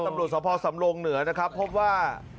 ตำรวจสภสำรงเหนือนะครับพบว่า